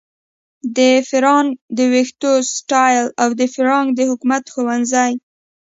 د فرانک د ویښتو سټایل او د فرانک د حکمت ښوونځي